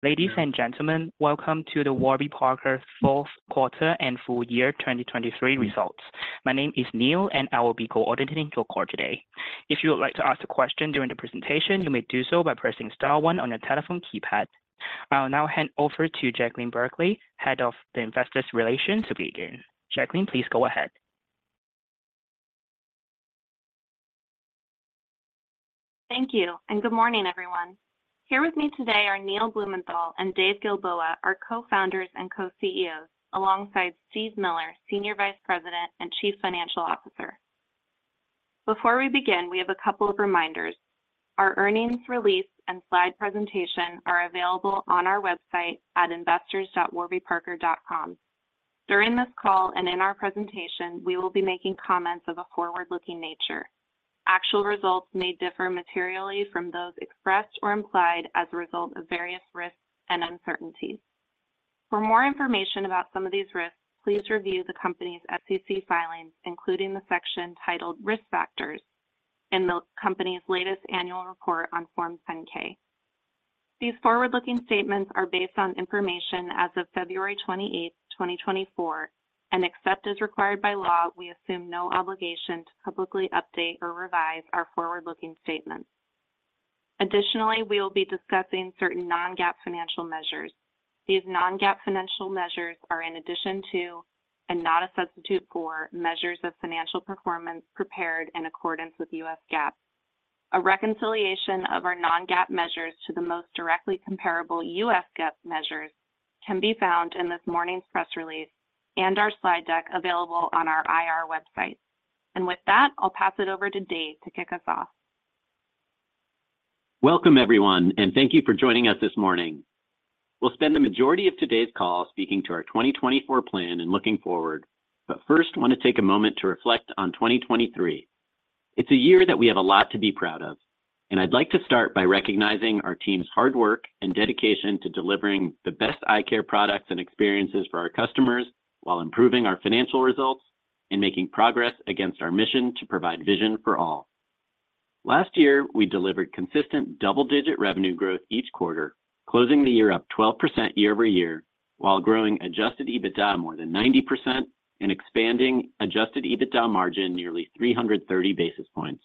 Ladies and gentlemen, welcome to the Warby Parker Q4 and full year 2023 results. My name is Neil, and I will be coordinating your call today. If you would like to ask a question during the presentation, you may do so by pressing star one on your telephone keypad. I will now hand over to Jaclyn Berkley, Head of Investor Relations. To begin, Jaclyn, please go ahead. Thank you, and good morning, everyone. Here with me today are Neil Blumenthal and Dave Gilboa, our co-founders and co-CEOs, alongside Steve Miller, Senior Vice President and Chief Financial Officer. Before we begin, we have a couple of reminders: our earnings release and slide presentation are available on our website at investors.warbyparker.com. During this call and in our presentation, we will be making comments of a forward-looking nature. Actual results may differ materially from those expressed or implied as a result of various risks and uncertainties. For more information about some of these risks, please review the company's SEC filings, including the section titled Risk Factors in the Company's latest annual report on Form 10-K. These forward-looking statements are based on information as of February 28th, 2024, and except as required by law, we assume no obligation to publicly update or revise our forward-looking statements. Additionally, we will be discussing certain non-GAAP financial measures. These non-GAAP financial measures are in addition to, and not a substitute for, measures of financial performance prepared in accordance with U.S. GAAP. A reconciliation of our non-GAAP measures to the most directly comparable U.S. GAAP measures can be found in this morning's press release and our slide deck available on our IR website. With that, I'll pass it over to Dave to kick us off. Welcome, everyone, and thank you for joining us this morning. We'll spend the majority of today's call speaking to our 2024 plan and looking forward, but first want to take a moment to reflect on 2023. It's a year that we have a lot to be proud of, and I'd like to start by recognizing our team's hard work and dedication to delivering the best eye care products and experiences for our customers while improving our financial results and making progress against our mission to provide vision for all. Last year, we delivered consistent double-digit revenue growth each quarter, closing the year up 12% year-over-year while growing adjusted EBITDA more than 90% and expanding adjusted EBITDA margin nearly 330 basis points.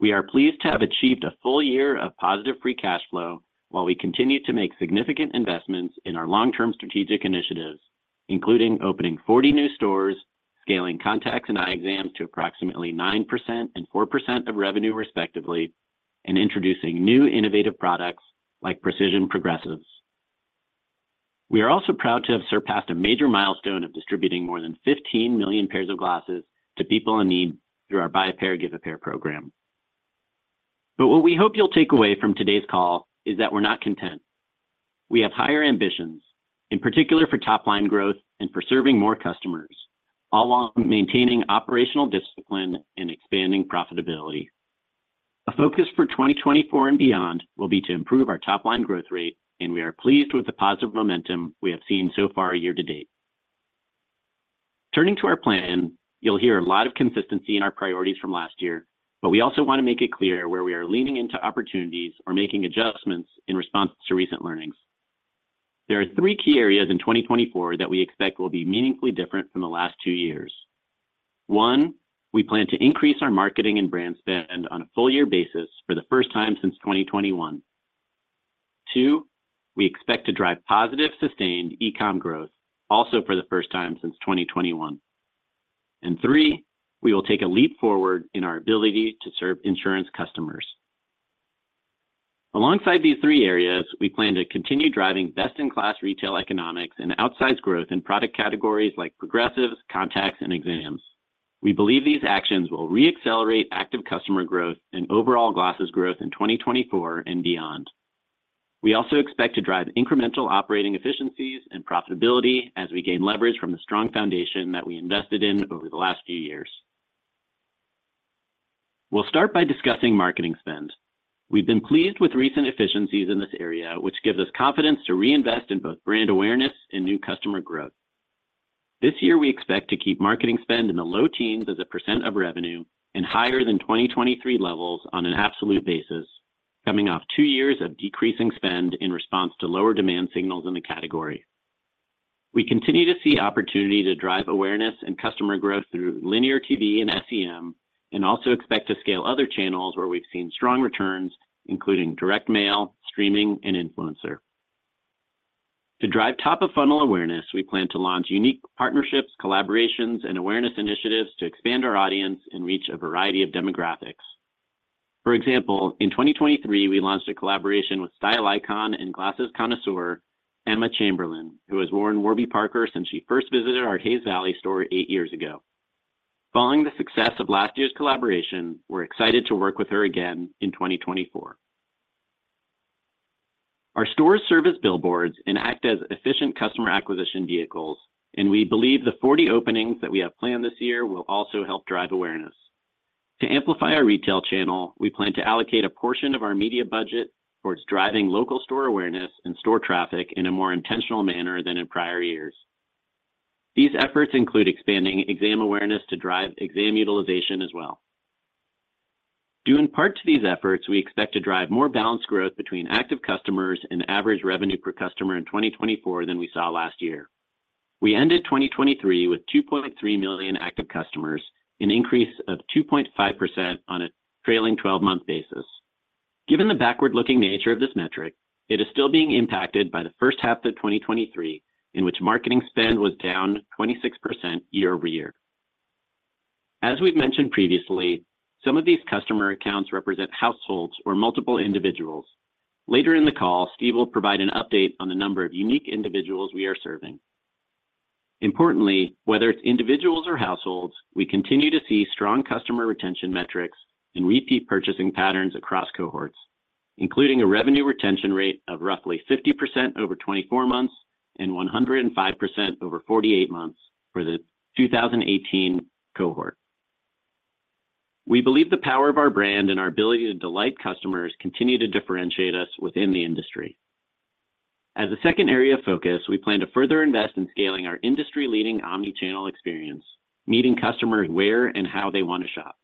We are pleased to have achieved a full year of positive free cash flow while we continue to make significant investments in our long-term strategic initiatives, including opening 40 new stores, scaling contacts and eye exams to approximately 9% and 4% of revenue, respectively, and introducing new innovative products like Precision Progressives. We are also proud to have surpassed a major milestone of distributing more than 15 million pairs of glasses to people in need through our Buy a Pair, Give a Pair program. But what we hope you'll take away from today's call is that we're not content. We have higher ambitions, in particular for top-line growth and for serving more customers, all while maintaining operational discipline and expanding profitability. A focus for 2024 and beyond will be to improve our top-line growth rate, and we are pleased with the positive momentum we have seen so far year to date. Turning to our plan, you'll hear a lot of consistency in our priorities from last year, but we also want to make it clear where we are leaning into opportunities or making adjustments in response to recent learnings. There are three key areas in 2024 that we expect will be meaningfully different from the last two years. One, we plan to increase our marketing and brand spend on a full-year basis for the first time since 2021. Two, we expect to drive positive, sustained e-comm growth, also for the first time since 2021. And three, we will take a leap forward in our ability to serve insurance customers. Alongside these three areas, we plan to continue driving best-in-class retail economics and outsized growth in product categories like progressives, contacts, and exams. We believe these actions will reaccelerate active customer growth and overall glasses growth in 2024 and beyond. We also expect to drive incremental operating efficiencies and profitability as we gain leverage from the strong foundation that we invested in over the last few years. We'll start by discussing marketing spend. We've been pleased with recent efficiencies in this area, which gives us confidence to reinvest in both brand awareness and new customer growth. This year, we expect to keep marketing spend in the low teens as a percent of revenue and higher than 2023 levels on an absolute basis, coming off two years of decreasing spend in response to lower demand signals in the category. We continue to see opportunity to drive awareness and customer growth through linear TV and SEM, and also expect to scale other channels where we've seen strong returns, including direct mail, streaming, and influencer. To drive top-of-funnel awareness, we plan to launch unique partnerships, collaborations, and awareness initiatives to expand our audience and reach a variety of demographics. For example, in 2023, we launched a collaboration with style icon and glasses connoisseur, Emma Chamberlain, who has worn Warby Parker since she first visited our Hayes Valley store eight years ago. Following the success of last year's collaboration, we're excited to work with her again in 2024. Our stores serve as billboards and act as efficient customer acquisition vehicles, and we believe the 40 openings that we have planned this year will also help drive awareness. To amplify our retail channel, we plan to allocate a portion of our media budget towards driving local store awareness and store traffic in a more intentional manner than in prior years. These efforts include expanding exam awareness to drive exam utilization as well. Due in part to these efforts, we expect to drive more balanced growth between active customers and average revenue per customer in 2024 than we saw last year. We ended 2023 with 2.3 million active customers, an increase of 2.5% on a trailing 12-month basis. Given the backward-looking nature of this metric, it is still being impacted by the first half of 2023, in which marketing spend was down 26% year-over-year. As we've mentioned previously, some of these customer accounts represent households or multiple individuals. Later in the call, Steve will provide an update on the number of unique individuals we are serving. Importantly, whether it's individuals or households, we continue to see strong customer retention metrics and repeat purchasing patterns across cohorts, including a revenue retention rate of roughly 50% over 24 months and 105% over 48 months for the 2018 cohort. We believe the power of our brand and our ability to delight customers continue to differentiate us within the industry. As a second area of focus, we plan to further invest in scaling our industry-leading omnichannel experience, meeting customers where and how they want to shop.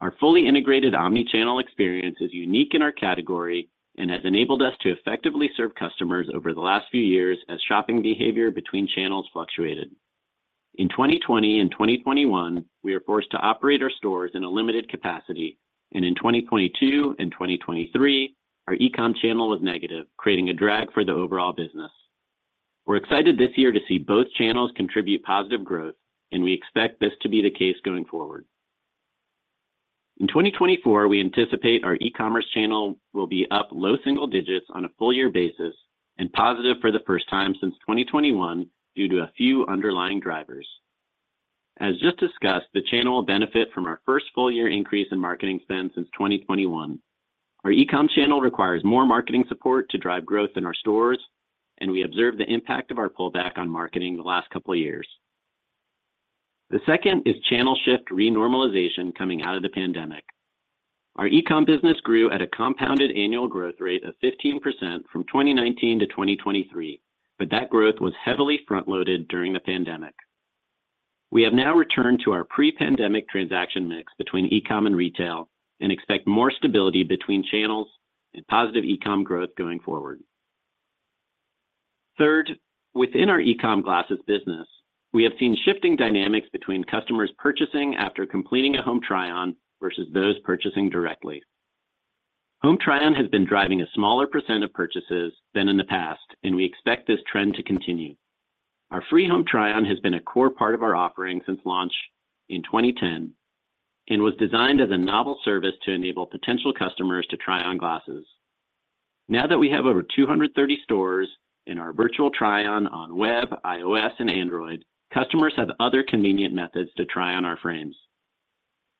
Our fully integrated omnichannel experience is unique in our category and has enabled us to effectively serve customers over the last few years as shopping behavior between channels fluctuated. In 2020 and 2021, we were forced to operate our stores in a limited capacity, and in 2022 and 2023, our e-comm channel was negative, creating a drag for the overall business. We're excited this year to see both channels contribute positive growth, and we expect this to be the case going forward. In 2024, we anticipate our e-commerce channel will be up low single digits on a full-year basis and positive for the first time since 2021 due to a few underlying drivers. As just discussed, the channel will benefit from our first full-year increase in marketing spend since 2021. Our e-comm channel requires more marketing support to drive growth in our stores, and we observed the impact of our pullback on marketing the last couple of years. The second is channel shift renormalization coming out of the pandemic. Our e-comm business grew at a compounded annual growth rate of 15% from 2019 to 2023, but that growth was heavily front-loaded during the pandemic. We have now returned to our pre-pandemic transaction mix between e-comm and retail and expect more stability between channels and positive e-comm growth going forward. Third, within our e-comm glasses business, we have seen shifting dynamics between customers purchasing after completing a Home Try-On versus those purchasing directly. Home Try-On has been driving a smaller percent of purchases than in the past, and we expect this trend to continue. Our free Home Try-On has been a core part of our offering since launch in 2010 and was designed as a novel service to enable potential customers to try on glasses. Now that we have over 230 stores and our Virtual Try-On on web, iOS, and Android, customers have other convenient methods to try on our frames.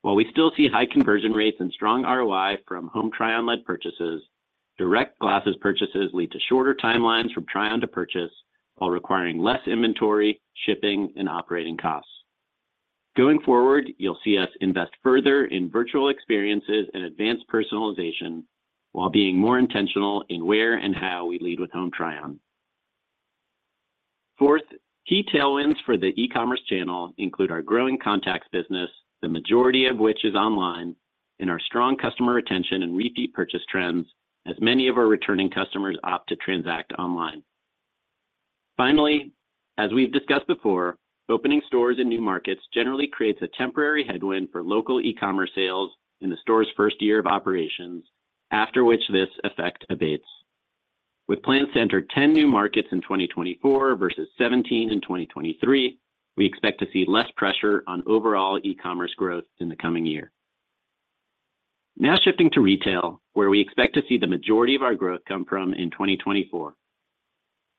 While we still see high conversion rates and strong ROI from Home Try-On-led purchases, direct glasses purchases lead to shorter timelines from try-on to purchase while requiring less inventory, shipping, and operating costs. Going forward, you'll see us invest further in virtual experiences and advanced personalization while being more intentional in where and how we lead with Home Try-On. Fourth, key tailwinds for the e-commerce channel include our growing contacts business, the majority of which is online, and our strong customer retention and repeat purchase trends as many of our returning customers opt to transact online. Finally, as we've discussed before, opening stores in new markets generally creates a temporary headwind for local e-commerce sales in the store's first year of operations, after which this effect abates. With plans centered 10 new markets in 2024 versus 17 in 2023, we expect to see less pressure on overall e-commerce growth in the coming year. Now shifting to retail, where we expect to see the majority of our growth come from in 2024.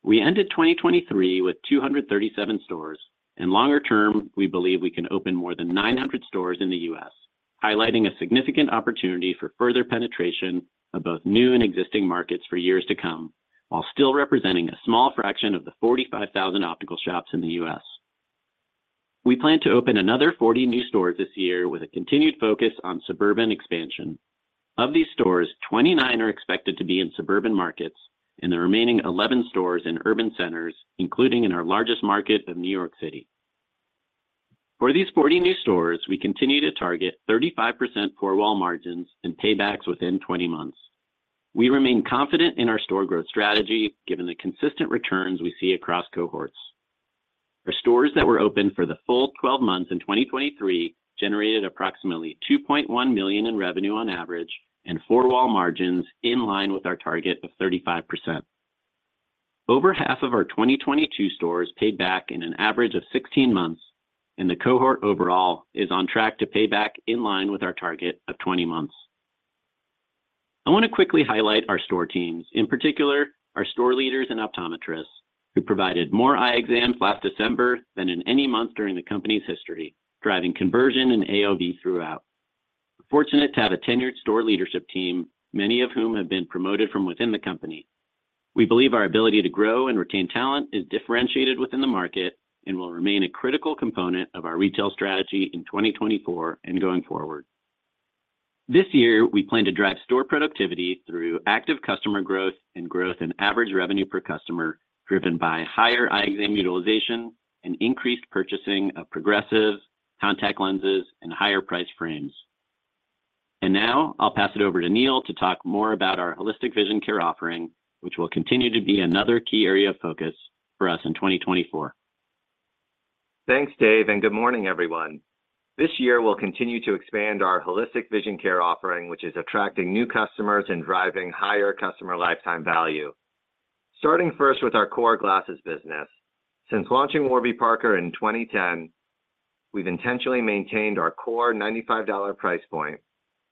We ended 2023 with 237 stores, and longer term, we believe we can open more than 900 stores in the U.S., highlighting a significant opportunity for further penetration of both new and existing markets for years to come while still representing a small fraction of the 45,000 optical shops in the U.S. We plan to open another 40 new stores this year with a continued focus on suburban expansion. Of these stores, 29 are expected to be in suburban markets and the remaining 11 stores in urban centers, including in our largest market of New York City. For these 40 new stores, we continue to target 35% four-wall margin and paybacks within 20 months. We remain confident in our store growth strategy given the consistent returns we see across cohorts. Our stores that were open for the full 12 months in 2023 generated approximately $2.1 million in revenue on average and four-wall margin in line with our target of 35%. Over half of our 2022 stores paid back in an average of 16 months, and the cohort overall is on track to pay back in line with our target of 20 months. I want to quickly highlight our store teams, in particular our store leaders and optometrists, who provided more eye exams last December than in any month during the company's history, driving conversion and AOV throughout. Fortunate to have a tenured store leadership team, many of whom have been promoted from within the company. We believe our ability to grow and retain talent is differentiated within the market and will remain a critical component of our retail strategy in 2024 and going forward. This year, we plan to drive store productivity through active customer growth and growth in average revenue per customer driven by higher eye exam utilization and increased purchasing of progressives, contact lenses, and higher-priced frames. Now I'll pass it over to Neil to talk more about our holistic vision care offering, which will continue to be another key area of focus for us in 2024. Thanks, Dave, and good morning, everyone. This year, we'll continue to expand our holistic vision care offering, which is attracting new customers and driving higher customer lifetime value. Starting first with our core glasses business. Since launching Warby Parker in 2010, we've intentionally maintained our core $95 price point.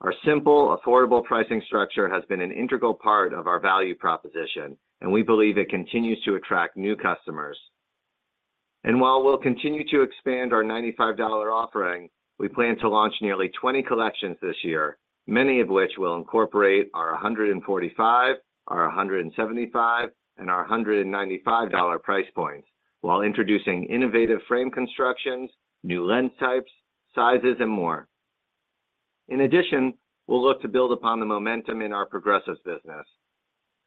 Our simple, affordable pricing structure has been an integral part of our value proposition, and we believe it continues to attract new customers. And while we'll continue to expand our $95 offering, we plan to launch nearly 20 collections this year, many of which will incorporate our $145, our $175, and our $195 price points while introducing innovative frame constructions, new lens types, sizes, and more. In addition, we'll look to build upon the momentum in our progressives business.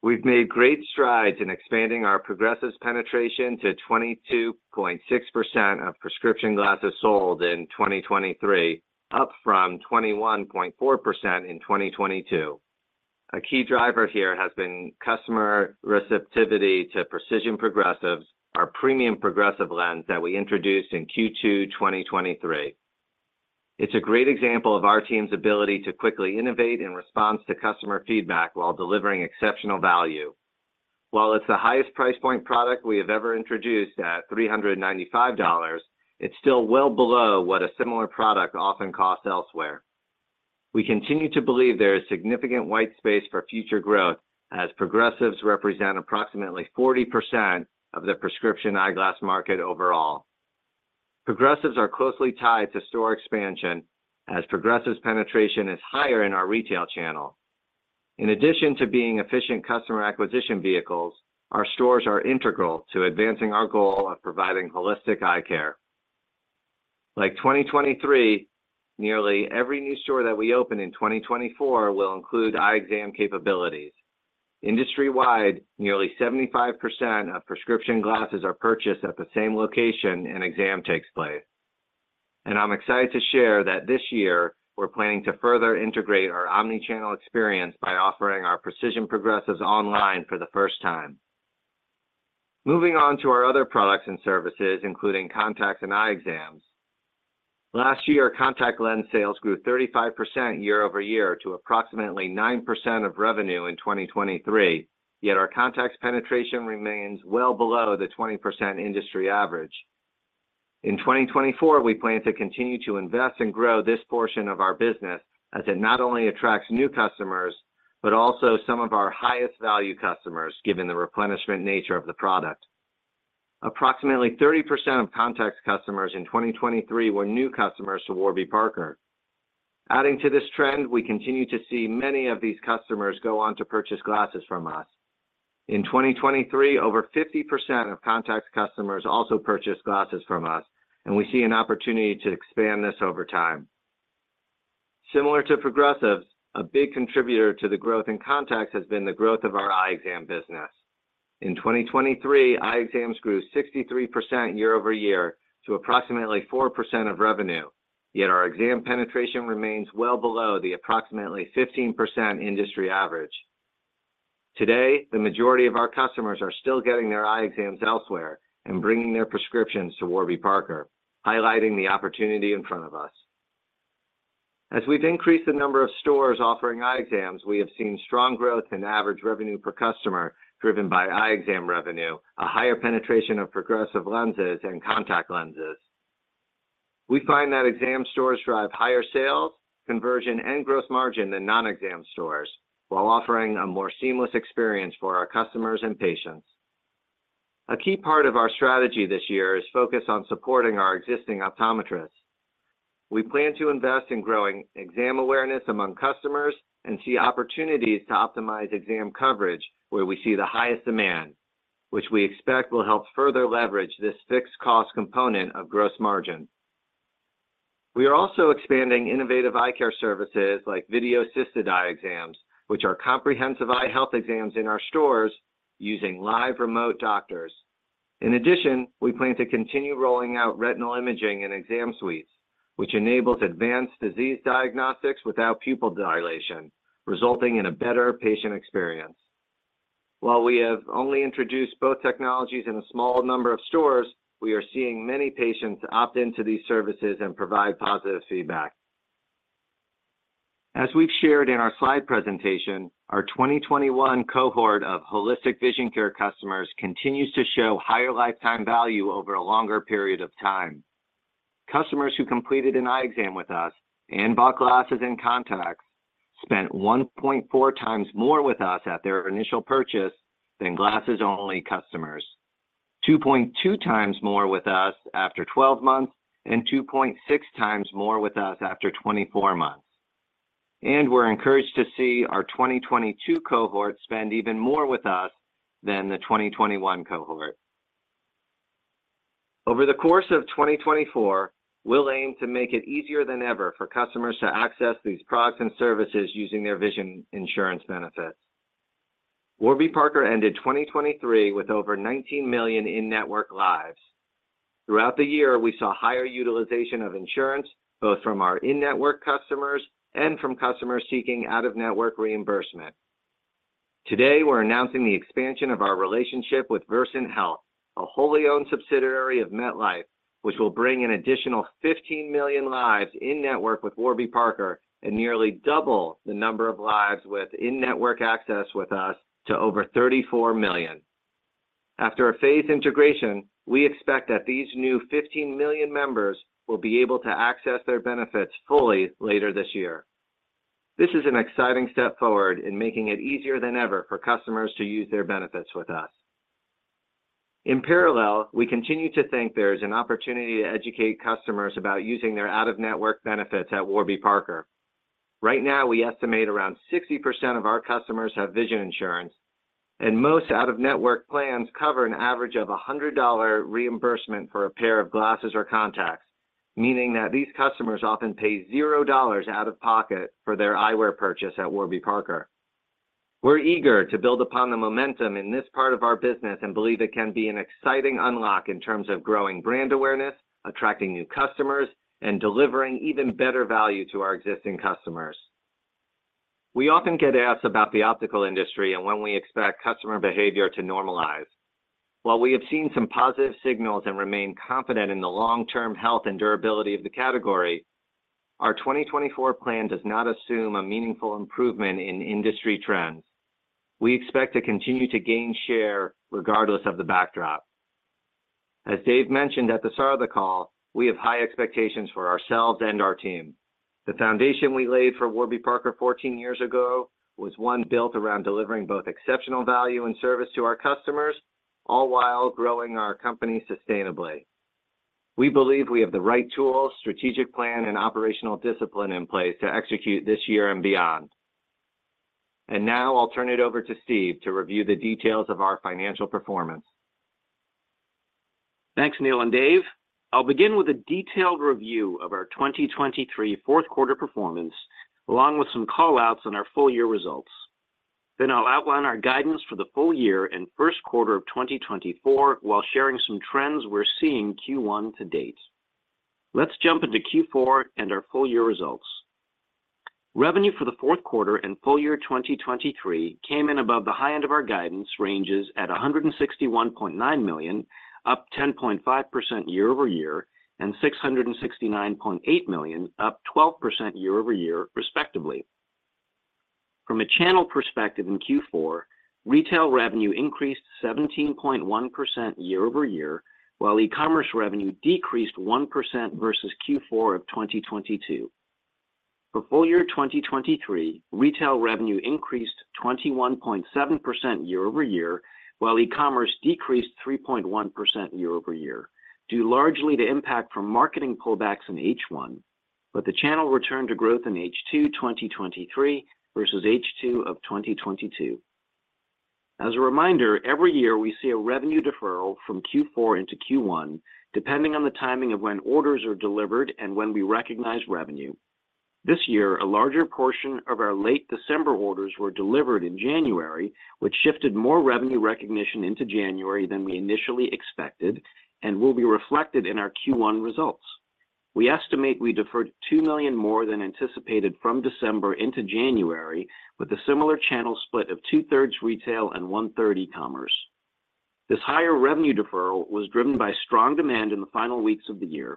We've made great strides in expanding our progressives penetration to 22.6% of prescription glasses sold in 2023, up from 21.4% in 2022. A key driver here has been customer receptivity to Precision Progressives, our premium progressive lens that we introduced in Q2 2023. It's a great example of our team's ability to quickly innovate in response to customer feedback while delivering exceptional value. While it's the highest price point product we have ever introduced at $395, it's still well below what a similar product often costs elsewhere. We continue to believe there is significant white space for future growth as progressives represent approximately 40% of the prescription eyeglass market overall. Progressives are closely tied to store expansion as progressives penetration is higher in our retail channel. In addition to being efficient customer acquisition vehicles, our stores are integral to advancing our goal of providing holistic eye care. Like 2023, nearly every new store that we open in 2024 will include eye exam capabilities. Industry-wide, nearly 75% of prescription glasses are purchased at the same location an exam takes place. I'm excited to share that this year, we're planning to further integrate our omnichannel experience by offering our Precision Progressives online for the first time. Moving on to our other products and services, including contacts and eye exams. Last year, our contact lens sales grew 35% year-over-year to approximately 9% of revenue in 2023, yet our contacts penetration remains well below the 20% industry average. In 2024, we plan to continue to invest and grow this portion of our business as it not only attracts new customers but also some of our highest-value customers given the replenishment nature of the product. Approximately 30% of contacts customers in 2023 were new customers to Warby Parker. Adding to this trend, we continue to see many of these customers go on to purchase glasses from us. In 2023, over 50% of contacts customers also purchased glasses from us, and we see an opportunity to expand this over time. Similar to progressives, a big contributor to the growth in contacts has been the growth of our eye exam business. In 2023, eye exams grew 63% year-over-year to approximately 4% of revenue, yet our exam penetration remains well below the approximately 15% industry average. Today, the majority of our customers are still getting their eye exams elsewhere and bringing their prescriptions to Warby Parker, highlighting the opportunity in front of us. As we've increased the number of stores offering eye exams, we have seen strong growth in average revenue per customer driven by eye exam revenue, a higher penetration of progressive lenses, and contact lenses. We find that exam stores drive higher sales, conversion, and gross margin than non-exam stores while offering a more seamless experience for our customers and patients. A key part of our strategy this year is focus on supporting our existing optometrists. We plan to invest in growing exam awareness among customers and see opportunities to optimize exam coverage where we see the highest demand, which we expect will help further leverage this fixed-cost component of gross margin. We are also expanding innovative eye care services like video-assisted eye exams, which are comprehensive eye health exams in our stores using live remote doctors. In addition, we plan to continue rolling out retinal imaging and exam suites, which enables advanced disease diagnostics without pupil dilation, resulting in a better patient experience. While we have only introduced both technologies in a small number of stores, we are seeing many patients opt into these services and provide positive feedback. As we've shared in our slide presentation, our 2021 cohort of holistic vision care customers continues to show higher lifetime value over a longer period of time. Customers who completed an eye exam with us and bought glasses and contacts spent 1.4 times more with us at their initial purchase than glasses-only customers, 2.2 times more with us after 12 months, and 2.6 times more with us after 24 months. We're encouraged to see our 2022 cohort spend even more with us than the 2021 cohort. Over the course of 2024, we'll aim to make it easier than ever for customers to access these products and services using their vision insurance benefits. Warby Parker ended 2023 with over 19 million in-network lives. Throughout the year, we saw higher utilization of insurance both from our in-network customers and from customers seeking out-of-network reimbursement. Today, we're announcing the expansion of our relationship with Versant Health, a wholly-owned subsidiary of MetLife, which will bring an additional 15 million lives in-network with Warby Parker and nearly double the number of lives with in-network access with us to over 34 million. After a phased integration, we expect that these new 15 million members will be able to access their benefits fully later this year. This is an exciting step forward in making it easier than ever for customers to use their benefits with us. In parallel, we continue to think there is an opportunity to educate customers about using their out-of-network benefits at Warby Parker. Right now, we estimate around 60% of our customers have vision insurance, and most out-of-network plans cover an average of $100 reimbursement for a pair of glasses or contacts, meaning that these customers often pay $0 out of pocket for their eyewear purchase at Warby Parker. We're eager to build upon the momentum in this part of our business and believe it can be an exciting unlock in terms of growing brand awareness, attracting new customers, and delivering even better value to our existing customers. We often get asked about the optical industry and when we expect customer behavior to normalize. While we have seen some positive signals and remain confident in the long-term health and durability of the category, our 2024 plan does not assume a meaningful improvement in industry trends. We expect to continue to gain share regardless of the backdrop. As Dave mentioned at the start of the call, we have high expectations for ourselves and our team. The foundation we laid for Warby Parker 14 years ago was one built around delivering both exceptional value and service to our customers, all while growing our company sustainably. We believe we have the right tools, strategic plan, and operational discipline in place to execute this year and beyond. Now I'll turn it over to Steve to review the details of our financial performance. Thanks, Neil and Dave. I'll begin with a detailed review of our 2023 Q4 performance, along with some callouts on our full-year results. Then I'll outline our guidance for the full year and Q1 of 2024 while sharing some trends we're seeing Q1 to date. Let's jump into Q4 and our full-year results. Revenue for the Q4 and full year 2023 came in above the high end of our guidance ranges at $161.9 million, up 10.5% year-over-year, and $669.8 million, up 12% year-over-year, respectively. From a channel perspective in Q4, retail revenue increased 17.1% year-over-year, while e-commerce revenue decreased 1% versus Q4 of 2022. For full year 2023, retail revenue increased 21.7% year-over-year, while e-commerce decreased 3.1% year-over-year, due largely to impact from marketing pullbacks in H1, but the channel returned to growth in H2 2023 versus H2 of 2022. As a reminder, every year we see a revenue deferral from Q4 into Q1, depending on the timing of when orders are delivered and when we recognize revenue. This year, a larger portion of our late December orders were delivered in January, which shifted more revenue recognition into January than we initially expected and will be reflected in our Q1 results. We estimate we deferred $2 million more than anticipated from December into January, with a similar channel split of 2/3 retail and 1/3 e-commerce. This higher revenue deferral was driven by strong demand in the final weeks of the year.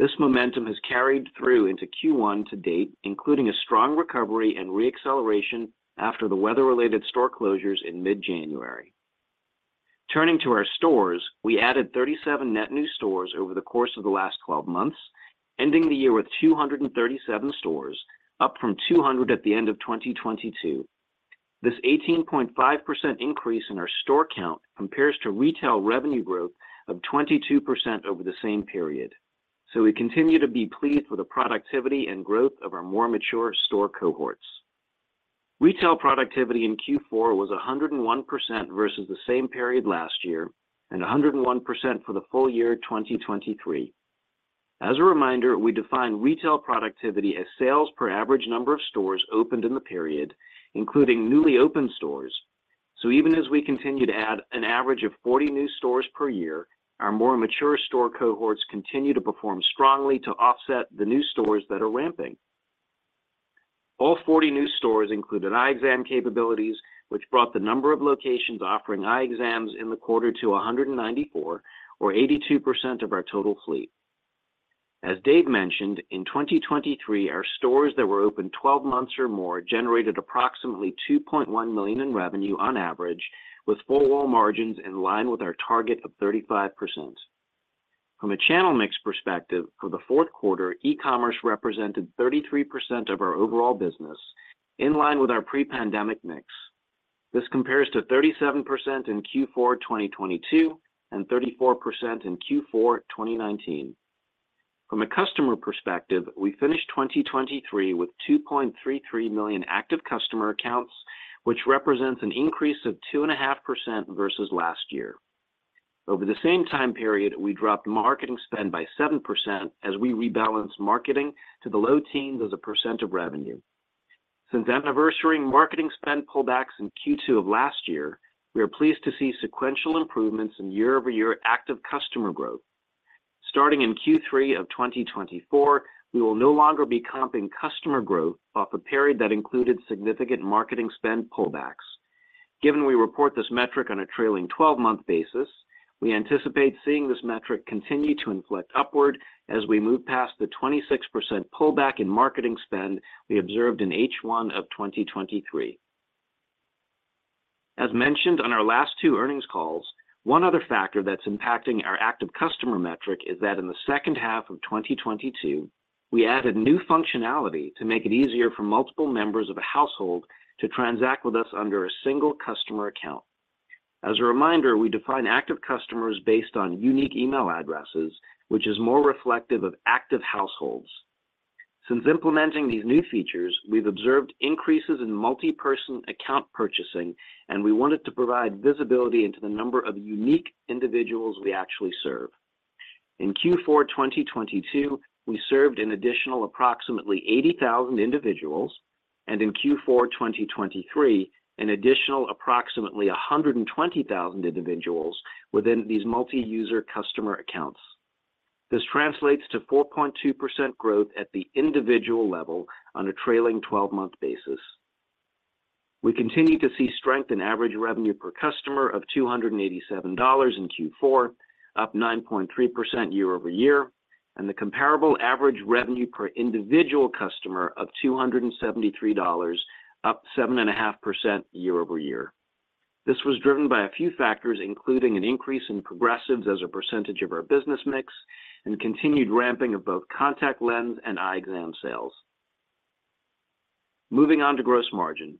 This momentum has carried through into Q1 to date, including a strong recovery and reacceleration after the weather-related store closures in mid-January. Turning to our stores, we added 37 net new stores over the course of the last 12 months, ending the year with 237 stores, up from 200 at the end of 2022. This 18.5% increase in our store count compares to retail revenue growth of 22% over the same period. So we continue to be pleased with the productivity and growth of our more mature store cohorts. Retail productivity in Q4 was 101% versus the same period last year and 101% for the full year 2023. As a reminder, we define retail productivity as sales per average number of stores opened in the period, including newly opened stores. So even as we continue to add an average of 40 new stores per year, our more mature store cohorts continue to perform strongly to offset the new stores that are ramping. All 40 new stores included eye exam capabilities, which brought the number of locations offering eye exams in the quarter to 194, or 82% of our total fleet. As Dave mentioned, in 2023, our stores that were open 12 months or more generated approximately $2.1 million in revenue on average, with four-wall margins in line with our target of 35%. From a channel mix perspective, for the Q4, e-commerce represented 33% of our overall business, in line with our pre-pandemic mix. This compares to 37% in Q4 2022 and 34% in Q4 2019. From a customer perspective, we finished 2023 with 2.33 million active customer accounts, which represents an increase of 2.5% versus last year. Over the same time period, we dropped marketing spend by 7% as we rebalanced marketing to the low teens as a percent of revenue. Since anniversary marketing spend pullbacks in Q2 of last year, we are pleased to see sequential improvements in year-over-year active customer growth. Starting in Q3 of 2024, we will no longer be comping customer growth off a period that included significant marketing spend pullbacks. Given we report this metric on a trailing 12-month basis, we anticipate seeing this metric continue to inflect upward as we move past the 26% pullback in marketing spend we observed in H1 of 2023. As mentioned on our last two earnings calls, one other factor that's impacting our active customer metric is that in the second half of 2022, we added new functionality to make it easier for multiple members of a household to transact with us under a single customer account. As a reminder, we define active customers based on unique email addresses, which is more reflective of active households. Since implementing these new features, we've observed increases in multi-person account purchasing, and we wanted to provide visibility into the number of unique individuals we actually serve. In Q4 2022, we served an additional approximately 80,000 individuals, and in Q4 2023, an additional approximately 120,000 individuals within these multi-user customer accounts. This translates to 4.2% growth at the individual level on a trailing 12-month basis. We continue to see strength in average revenue per customer of $287 in Q4, up 9.3% year-over-year, and the comparable average revenue per individual customer of $273, up 7.5% year-over-year. This was driven by a few factors, including an increase in progressives as a percentage of our business mix and continued ramping of both contact lens and eye exam sales. Moving on to gross margin.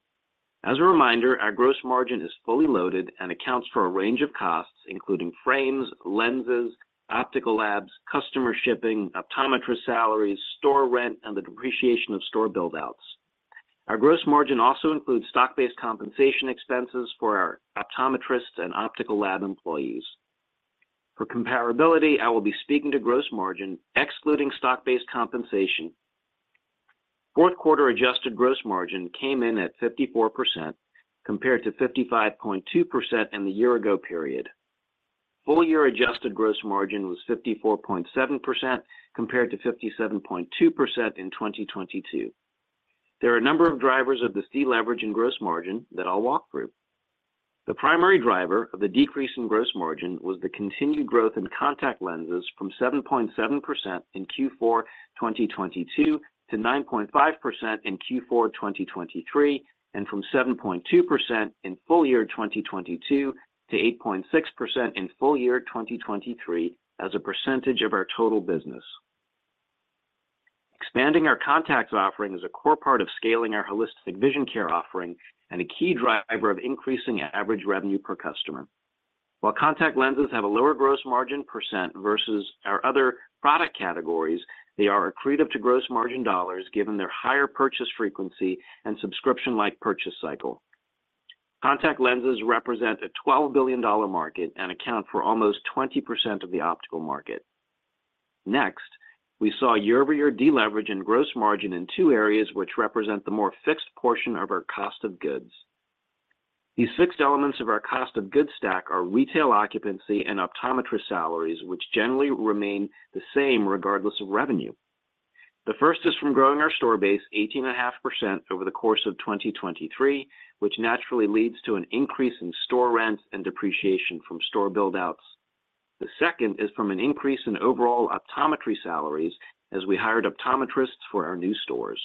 As a reminder, our gross margin is fully loaded and accounts for a range of costs, including frames, lenses, optical labs, customer shipping, optometrist salaries, store rent, and the depreciation of store buildouts. Our gross margin also includes stock-based compensation expenses for our optometrists and optical lab employees. For comparability, I will be speaking to gross margin excluding stock-based compensation. Q4 adjusted gross margin came in at 54% compared to 55.2% in the year-ago period. Full-year adjusted gross margin was 54.7% compared to 57.2% in 2022. There are a number of drivers of this deleveraging gross margin that I'll walk through. The primary driver of the decrease in gross margin was the continued growth in contact lenses from 7.7% in Q4 2022 to 9.5% in Q4 2023, and from 7.2% in full year 2022 to 8.6% in full year 2023 as a percentage of our total business. Expanding our contacts offering is a core part of scaling our holistic vision care offering and a key driver of increasing average revenue per customer. While contact lenses have a lower gross margin percent versus our other product categories, they are accretive to gross margin dollars given their higher purchase frequency and subscription-like purchase cycle. Contact lenses represent a $12 billion market and account for almost 20% of the optical market. Next, we saw year-over-year deleverage in gross margin in two areas which represent the more fixed portion of our cost of goods. These fixed elements of our cost of goods stack are retail occupancy and optometrist salaries, which generally remain the same regardless of revenue. The first is from growing our store base 18.5% over the course of 2023, which naturally leads to an increase in store rents and depreciation from store buildouts. The second is from an increase in overall optometry salaries as we hired optometrists for our new stores.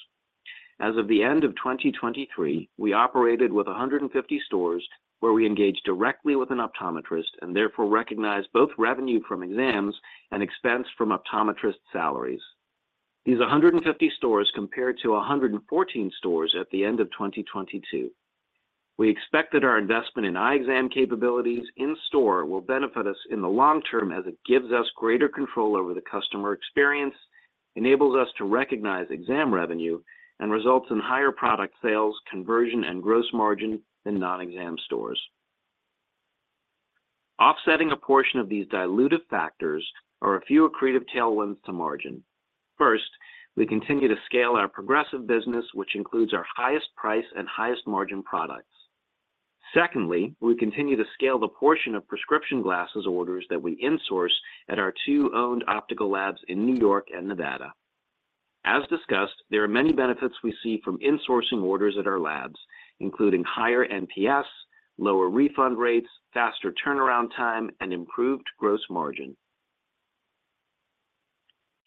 As of the end of 2023, we operated with 150 stores where we engaged directly with an optometrist and therefore recognized both revenue from exams and expense from optometrist salaries. These 150 stores compared to 114 stores at the end of 2022. We expect that our investment in eye exam capabilities in-store will benefit us in the long term as it gives us greater control over the customer experience, enables us to recognize exam revenue, and results in higher product sales, conversion, and gross margin than non-exam stores. Offsetting a portion of these dilutive factors are a few accretive tailwinds to margin. First, we continue to scale our progressive business, which includes our highest price and highest margin products. Secondly, we continue to scale the portion of prescription glasses orders that we insource at our two owned optical labs in New York and Nevada. As discussed, there are many benefits we see from insourcing orders at our labs, including higher NPS, lower refund rates, faster turnaround time, and improved gross margin.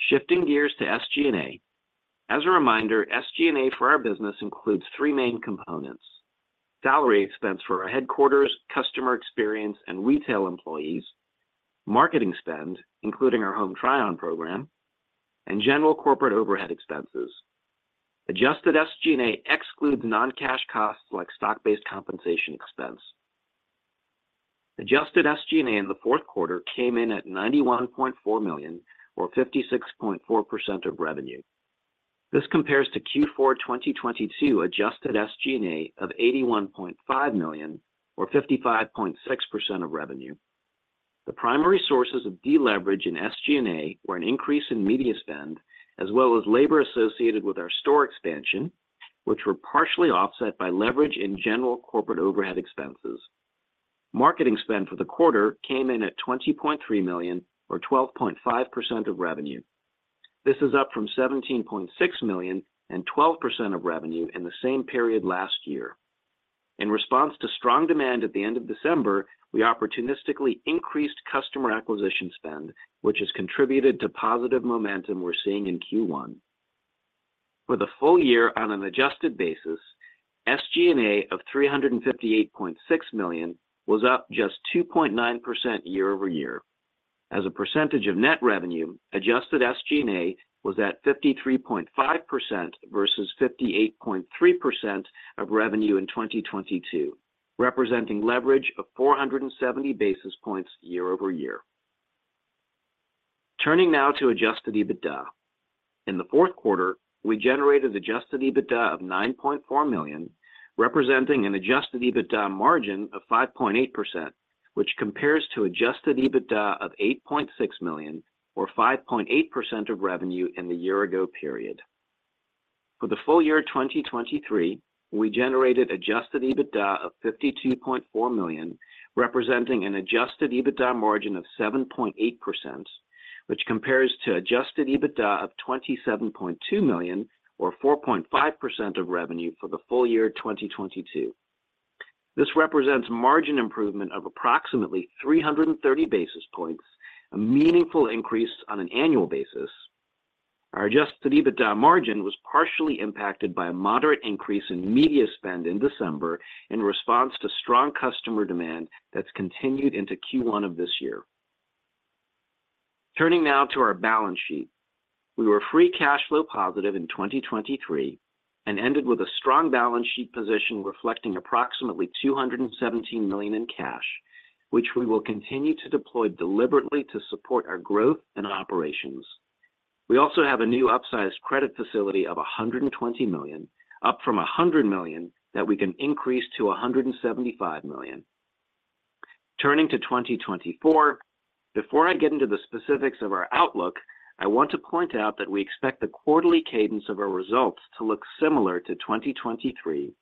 Shifting gears to SG&A. As a reminder, SG&A for our business includes three main components: salary expense for our headquarters, customer experience, and retail employees, marketing spend, including our Home Try-On program, and general corporate overhead expenses. Adjusted SG&A excludes non-cash costs like stock-based compensation expense. Adjusted SG&A in the Q4 came in at $91.4 million, or 56.4% of revenue. This compares to Q4 2022 adjusted SG&A of $81.5 million, or 55.6% of revenue. The primary sources of deleverage in SG&A were an increase in media spend as well as labor associated with our store expansion, which were partially offset by leverage in general corporate overhead expenses. Marketing spend for the quarter came in at $20.3 million, or 12.5% of revenue. This is up from $17.6 million and 12% of revenue in the same period last year. In response to strong demand at the end of December, we opportunistically increased customer acquisition spend, which has contributed to positive momentum we're seeing in Q1. For the full year on an adjusted basis, SG&A of $358.6 million was up just 2.9% year-over-year. As a percentage of net revenue, adjusted SG&A was at 53.5% versus 58.3% of revenue in 2022, representing leverage of 470 basis points year-over-year. Turning now to adjusted EBITDA. In the Q4, we generated adjusted EBITDA of $9.4 million, representing an adjusted EBITDA margin of 5.8%, which compares to adjusted EBITDA of $8.6 million, or 5.8% of revenue in the year-ago period. For the full year 2023, we generated adjusted EBITDA of $52.4 million, representing an adjusted EBITDA margin of 7.8%, which compares to adjusted EBITDA of $27.2 million, or 4.5% of revenue for the full year 2022. This represents margin improvement of approximately 330 basis points, a meaningful increase on an annual basis. Our adjusted EBITDA margin was partially impacted by a moderate increase in media spend in December in response to strong customer demand that's continued into Q1 of this year. Turning now to our balance sheet. We were free cash flow positive in 2023 and ended with a strong balance sheet position reflecting approximately $217 million in cash, which we will continue to deploy deliberately to support our growth and operations. We also have a new upsized credit facility of $120 million, up from $100 million that we can increase to $175 million. Turning to 2024. Before I get into the specifics of our outlook, I want to point out that we expect the quarterly cadence of our results to look similar to 2023,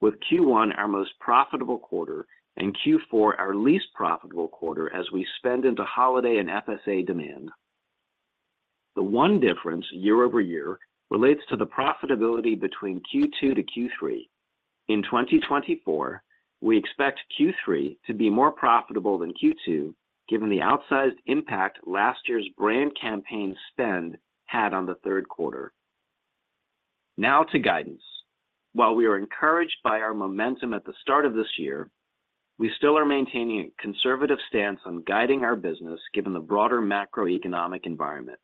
with Q1 our most profitable quarter and Q4 our least profitable quarter as we spend into holiday and FSA demand. The one difference year-over-year relates to the profitability between Q2 to Q3. In 2024, we expect Q3 to be more profitable than Q2 given the outsized impact last year's brand campaign spend had on the Q3. Now to guidance. While we are encouraged by our momentum at the start of this year, we still are maintaining a conservative stance on guiding our business given the broader macroeconomic environment.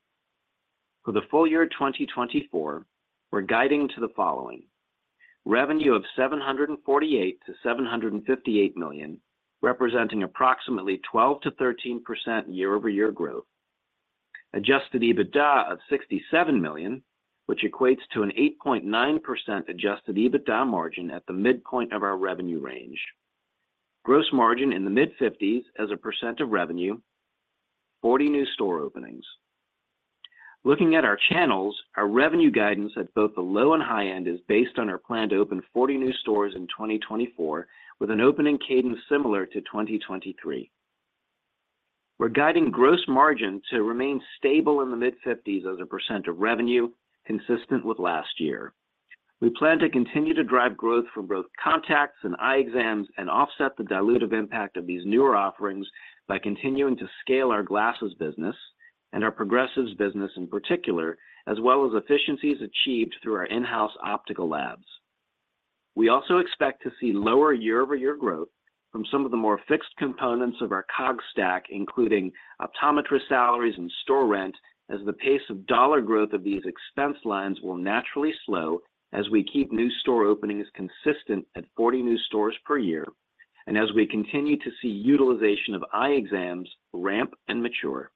For the full year 2024, we're guiding to the following: revenue of $748 million-$758 million, representing approximately 12%-13% year-over-year growth. Adjusted EBITDA of $67 million, which equates to an 8.9% Adjusted EBITDA margin at the midpoint of our revenue range. Gross margin in the mid-50s as a percent of revenue. 40 new store openings. Looking at our channels, our revenue guidance at both the low and high end is based on our plan to open 40 new store openings in 2024 with an opening cadence similar to 2023. We're guiding gross margin to remain stable in the mid-50s as a percent of revenue, consistent with last year. We plan to continue to drive growth from both contacts and eye exams and offset the dilutive impact of these newer offerings by continuing to scale our glasses business and our progressives business in particular, as well as efficiencies achieved through our in-house optical labs. We also expect to see lower year-over-year growth from some of the more fixed components of our COGS stack, including optometrist salaries and store rent, as the pace of dollar growth of these expense lines will naturally slow as we keep new store openings consistent at 40 new stores per year and as we continue to see utilization of eye exams ramp and mature.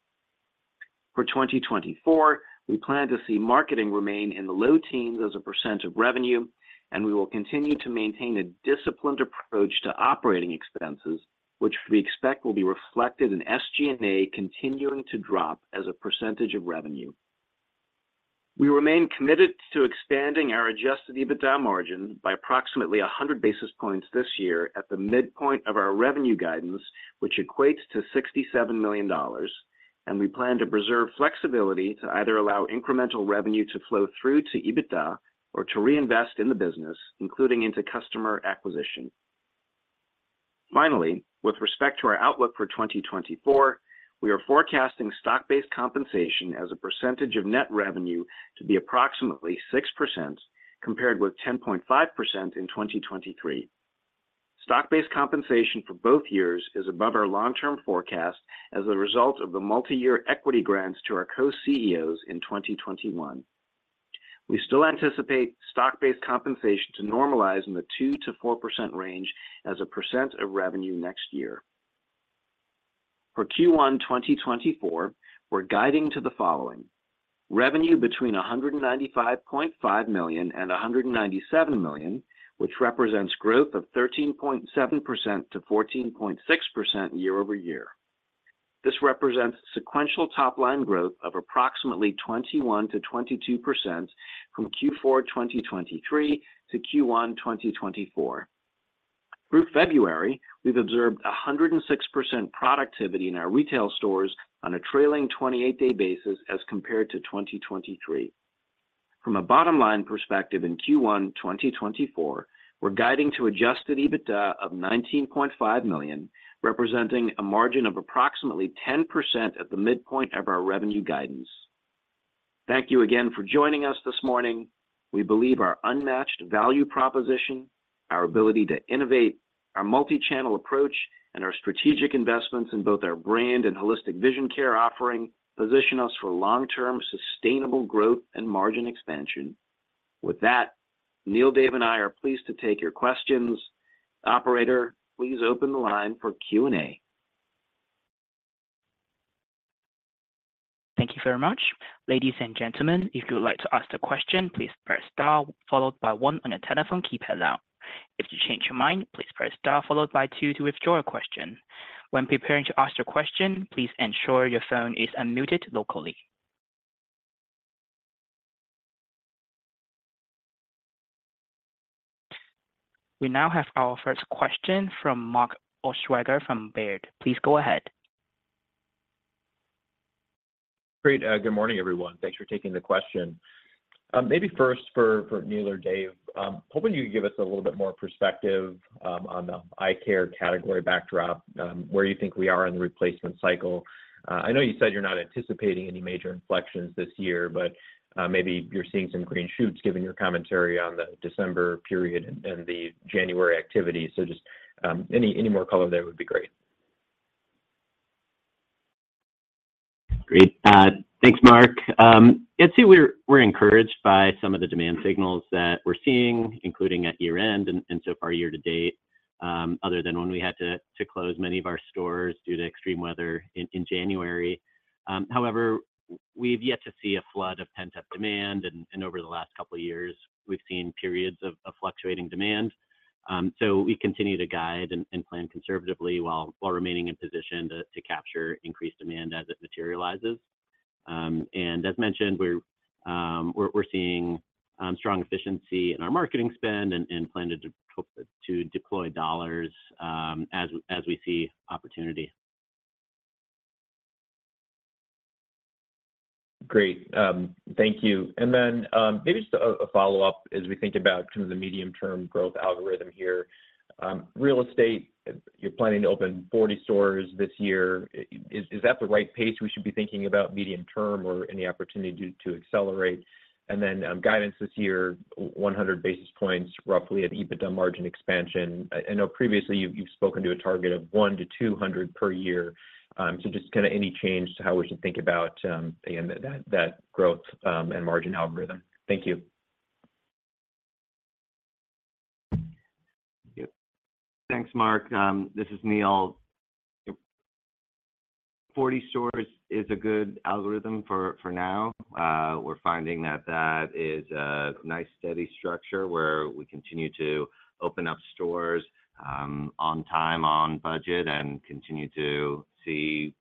For 2024, we plan to see marketing remain in the low teens as a percent of revenue, and we will continue to maintain a disciplined approach to operating expenses, which we expect will be reflected in SG&A continuing to drop as a percentage of revenue. We remain committed to expanding our adjusted EBITDA margin by approximately 100 basis points this year at the midpoint of our revenue guidance, which equates to $67 million, and we plan to preserve flexibility to either allow incremental revenue to flow through to EBITDA or to reinvest in the business, including into customer acquisition. Finally, with respect to our outlook for 2024, we are forecasting stock-based compensation as a percentage of net revenue to be approximately 6% compared with 10.5% in 2023. Stock-based compensation for both years is above our long-term forecast as a result of the multi-year equity grants to our co-CEOs in 2021. We still anticipate stock-based compensation to normalize in the 2%-4% range as a percent of revenue next year. For Q1 2024, we're guiding to the following: revenue between $195.5 million-$197 million, which represents growth of 13.7%-14.6% year-over-year. This represents sequential top-line growth of approximately 21%-22% from Q4 2023 to Q1 2024. Through February, we've observed 106% productivity in our retail stores on a trailing 28-day basis as compared to 2023. From a bottom-line perspective in Q1 2024, we're guiding to adjusted EBITDA of $19.5 million, representing a margin of approximately 10% at the midpoint of our revenue guidance. Thank you again for joining us this morning. We believe our unmatched value proposition, our ability to innovate, our multi-channel approach, and our strategic investments in both our brand and holistic vision care offering position us for long-term sustainable growth and margin expansion. With that, Neil, Dave, and I are pleased to take your questions. Operator, please open the line for Q&A. Thank you very much. Ladies and gentlemen, if you would like to ask a question, please press star, followed by one on your telephone keypad now. If you change your mind, please press star followed by two to withdraw a question. When preparing to ask your question, please ensure your phone is unmuted locally. We now have our first question from Mark Altschwager from Baird. Please go ahead. Great. Good morning, everyone. Thanks for taking the question. Maybe first for Neil or Dave, hoping you could give us a little bit more perspective on the eye care category backdrop, where you think we are in the replacement cycle. I know you said you're not anticipating any major inflections this year, but maybe you're seeing some green shoots given your commentary on the December period and the January activities. So just any more color there would be great. Great. Thanks, Mark. Um, yes, we’re encouraged by some of the demand signals that we’re seeing, including at year-end and so far year to date, other than when we had to close many of our stores due to extreme weather in January. However, we’ve yet to see a flood of pent-up demand, and over the last couple of years, we’ve seen periods of fluctuating demand. Um, so, we continue to guide and plan conservatively while remaining in position to capture increased demand as it materializes. As mentioned, we’re seeing strong efficiency in our marketing spend and plan to deploy dollars as we see opportunity. Great, um, thank you. And then maybe just a follow-up as we think about kind of the medium-term growth algorithm here. Real estate, you're planning to open 40 stores this year. Is that the right pace we should be thinking about medium-term or any opportunity to accelerate? And then guidance this year, 100 basis points roughly at EBITDA margin expansion. I know previously you've spoken to a target of 1-200 per year. Um, so just kind of any change to how we should think about, again, that growth and margin algorithm. Thank you. Thanks, Mark. Um, this is Neil. 40 stores is a good algorithm for now. We're finding that that is a nice, steady structure where we continue to open up stores on time, on budget, and continue to see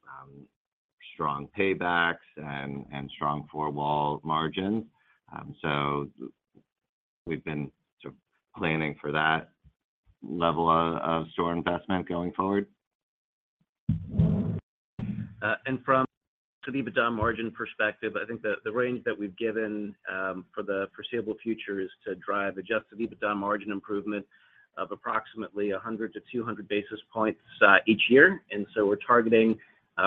strong paybacks and strong four-wall margins. So we've been sort of planning for that level of store investment going forward. From an adjusted EBITDA margin perspective, I think the range that we've given for the foreseeable future is to drive adjusted EBITDA margin improvement of approximately 100-200 basis points each year. So we're targeting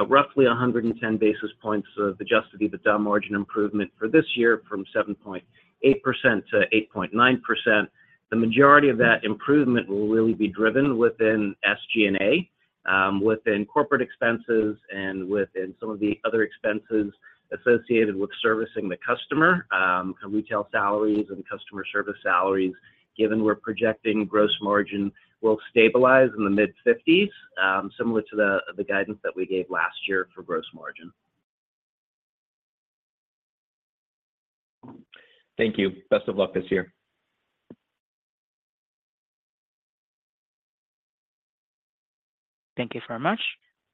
roughly 110 basis points of adjusted EBITDA margin improvement for this year from 7.8%-8.9%. The majority of that improvement will really be driven within SG&A, within corporate expenses, and within some of the other expenses associated with servicing the customer, kind of retail salaries and customer service salaries. Given we're projecting gross margin will stabilize in the mid-50s, um, similar to the guidance that we gave last year for gross margin. Thank you. Best of luck this year. Thank you very much.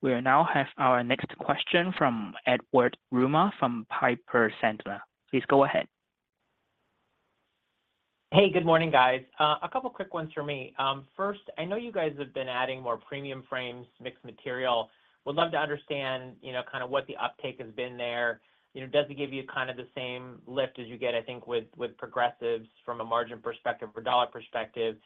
We now have our next question from Edward Yruma from Piper Sandler. Please go ahead. Hey, good morning, guys. A couple of quick ones for me. First, I know you guys have been adding more premium frames, mixed material. Would love to understand you know kind of what the uptake has been there. Does it give you kind of the same lift as you get, I think, with progressives from a margin perspective or dollar perspective?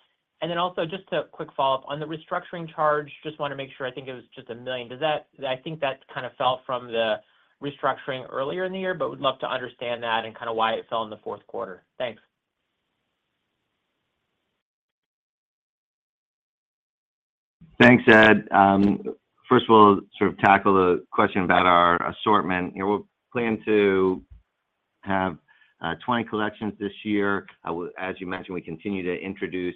And then also just a quick follow-up. On the restructuring charge, just want to make sure. I think it was just $1 million. I think that kind of fell from the restructuring earlier in the year, but would love to understand that and kind of why it fell in the Q4. Thanks. Thanks, Ed. Um, first of all, sort of tackle the question about our assortment. We'll plan to have 20 collections this year. As you mentioned, we continue to introduce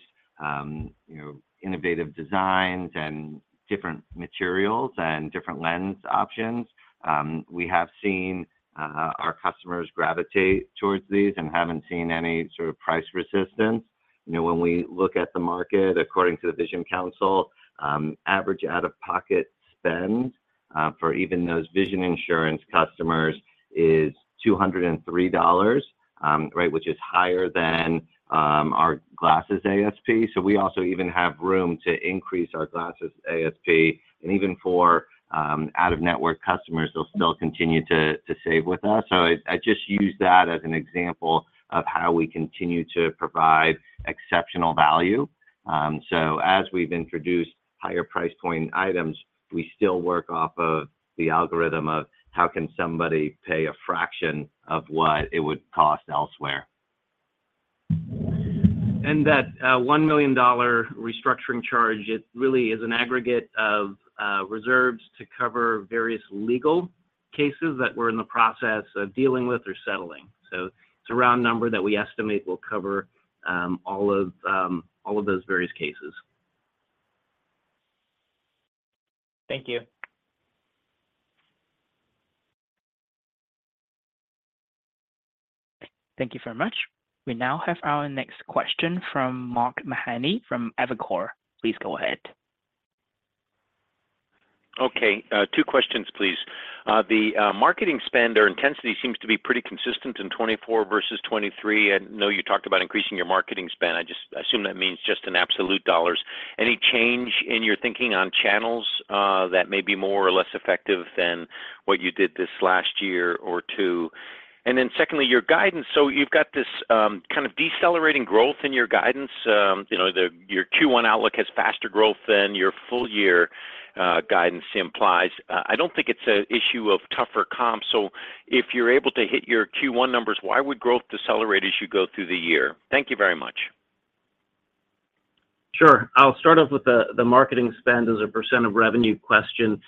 innovative designs and different materials and different lens options. We have seen our customers gravitate towards these and haven't seen any sort of price resistance. When we look at the market, according to the Vision Council, average out-of-pocket spend for even those vision insurance customers is $203, right, which is higher than our glasses ASP. So we also even have room to increase our glasses ASP. And even for out-of-network customers, they'll still continue to save with us. So I just use that as an example of how we continue to provide exceptional value. Um, so as we've introduced higher price point items, we still work off of the algorithm of how can somebody pay a fraction of what it would cost elsewhere. That $1 million restructuring charge, it really is an aggregate of reserves to cover various legal cases that we're in the process of dealing with or settling. It's a round number that we estimate will cover all of those various cases. Thank you. Thank you very much. We now have our next question from Mark Mahaney from Evercore. Please go ahead. Okay. Two questions, please. The marketing spend or intensity seems to be pretty consistent in 2024 versus 2023. I know you talked about increasing your marketing spend. I assume that means just in absolute dollars. Any change in your thinking on channels that may be more or less effective than what you did this last year or two? And then secondly, your guidance. So you've got this kind of decelerating growth in your guidance. You know your Q1 outlook has faster growth than your full-year guidance implies. I don't think it's an issue of tougher comps. So if you're able to hit your Q1 numbers, why would growth decelerate as you go through the year? Thank you very much. Sure. I'll start off with the marketing spend as a percent of revenue question.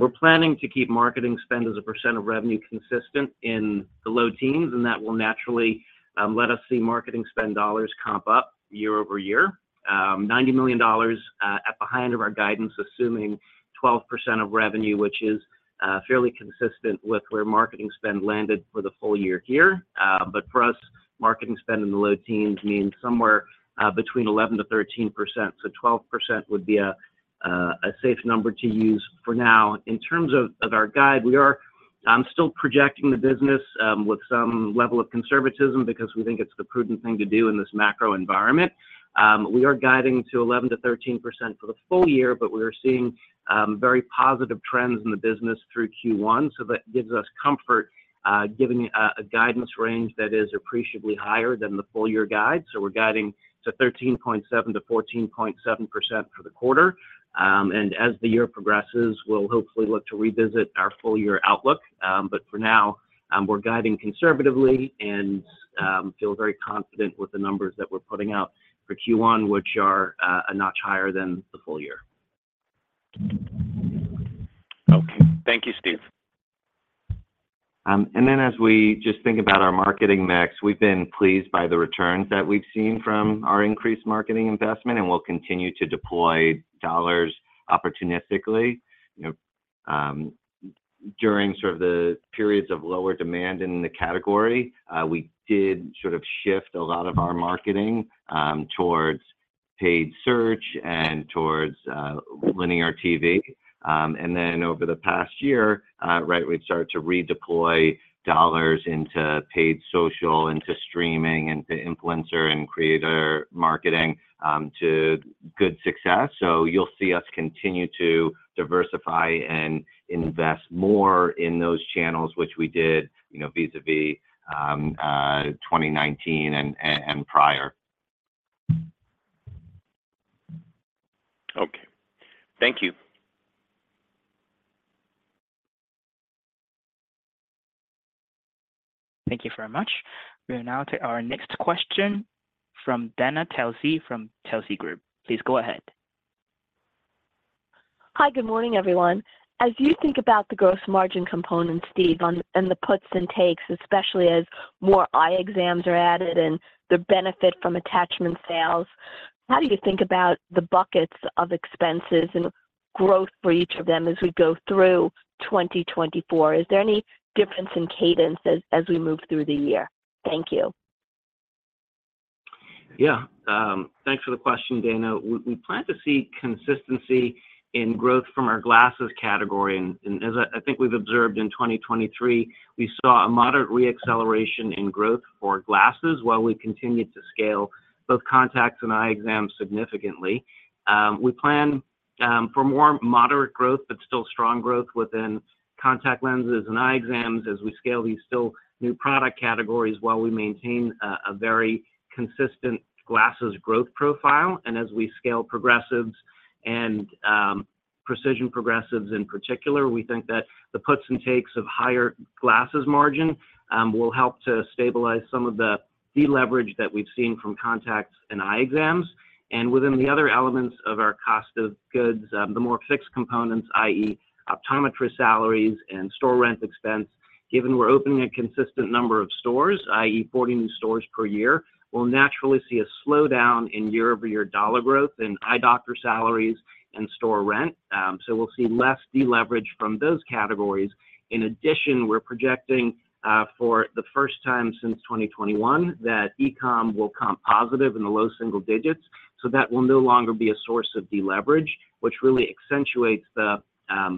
We're planning to keep marketing spend as a percent of revenue consistent in the low teens, and that will naturally let us see marketing spend dollars comp up year-over-year. $90 million at the high end of our guidance, assuming 12% of revenue, which is fairly consistent with where marketing spend landed for the full year here. But for us, marketing spend in the low teens means somewhere between 11%-13%. So 12% would be a safe number to use for now. In terms of our guide, we are still projecting the business with some level of conservatism because we think it's the prudent thing to do in this macro environment. We are guiding to 11%-13% for the full year, but we are seeing very positive trends in the business through Q1. So that gives us comfort giving a guidance range that is appreciably higher than the full-year guide. So we're guiding to 13.7%-14.7% for the quarter. And as the year progresses, we'll hopefully look to revisit our full-year outlook. But for now, we're guiding conservatively and feel very confident with the numbers that we're putting out for Q1, which are a notch higher than the full year. Okay. Thank you, Steve. And then as we just think about our marketing mix, we've been pleased by the returns that we've seen from our increased marketing investment, and we'll continue to deploy dollars opportunistically. Um, during sort of the periods of lower demand in the category, we did sort of shift a lot of our marketing towards paid search and towards linear TV. And then over the past year, right, we've started to redeploy dollars into paid social, into streaming, into influencer and creator marketing to good success. So you'll see us continue to diversify and invest more in those channels, which we did vis-à-vis 2019 and prior. Okay. Thank you. Thank you very much. We are now to our next question from Dana Telsey from Telsey Advisory Group. Please go ahead. Hi. Good morning, everyone. As you think about the gross margin component, Steve, and the puts and takes, especially as more eye exams are added and the benefit from attachment sales, how do you think about the buckets of expenses and growth for each of them as we go through 2024? Is there any difference in cadence as we move through the year? Thank you. Yeah. Thanks for the question, Dana. We plan to see consistency in growth from our glasses category. As I think we've observed in 2023, we saw a moderate reacceleration in growth for glasses while we continue to scale both contacts and eye exams significantly. We plan for more moderate growth but still strong growth within contact lenses and eye exams as we scale these still new product categories while we maintain a very consistent glasses growth profile. As we scale progressives and Precision Progressives in particular, we think that the puts and takes of higher glasses margin will help to stabilize some of the deleverage that we've seen from contacts and eye exams. And within the other elements of our cost of goods, the more fixed components, i.e., optometrist salaries and store rent expense, given we're opening a consistent number of stores, i.e., 40 new stores per year, we'll naturally see a slowdown in year-over-year dollar growth in eye doctor salaries and store rent. So we'll see less deleverage from those categories. In addition, we're projecting for the first time since 2021 that e-com will comp positive in the low single digits. So that will no longer be a source of deleverage, which really accentuates the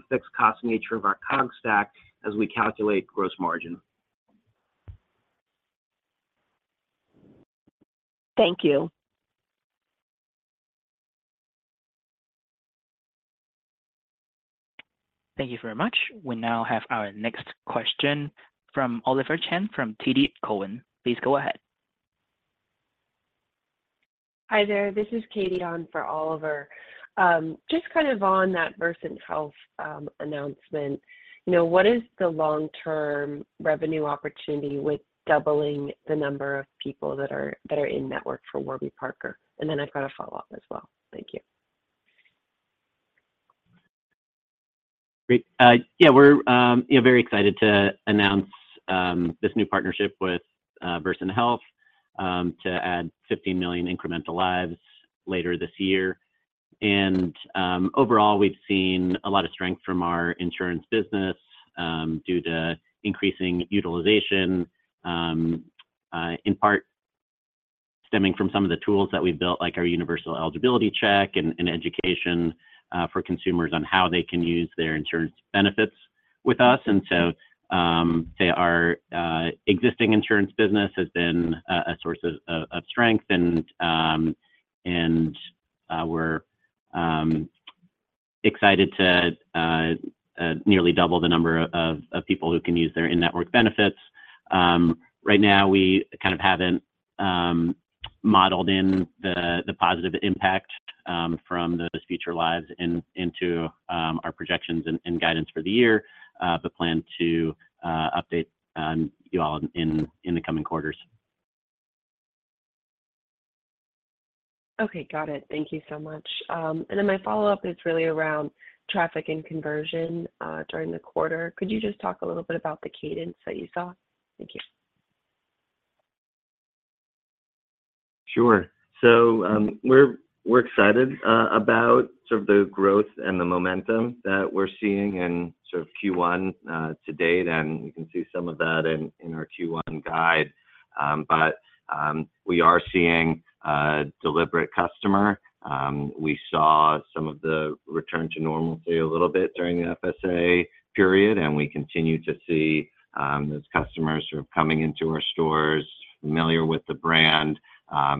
fixed-cost nature of our COGS stack as we calculate gross margin. Thank you. Thank you very much. We now have our next question from Oliver Chen from TD Cowen. Please go ahead. Hi there. This is Katy on for Oliver. Just kind of on that Versant Health announcement, you know what is the long-term revenue opportunity with doubling the number of people that are in network for Warby Parker? And then I've got a follow-up as well. Thank you. Great. Yeah. We're very excited to announce this new partnership with Versant Health to add 15 million incremental lives later this year. Overall, we've seen a lot of strength from our insurance business due to increasing utilization, in part stemming from some of the tools that we've built, like our Universal Eligibility Check and education for consumers on how they can use their insurance benefits with us. So our existing insurance business has been a source of strength, and we're excited to nearly double the number of people who can use their in-network benefits. Right now, we kind of haven't modeled in the positive impact from those future lives into our projections and guidance for the year but plan to update you all in the coming quarters. Okay. Got it. Thank you so much. And then my follow-up is really around traffic and conversion during the quarter. Could you just talk a little bit about the cadence that you saw? Thank you. Sure. So we're excited about sort of the growth and the momentum that we're seeing in sort of Q1 to date. And you can see some of that in our Q1 guide. But we are seeing deliberate customer. We saw some of the return to normalcy a little bit during the FSA period, and we continue to see those customers sort of coming into our stores, familiar with the brand,